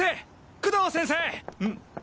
工藤先生！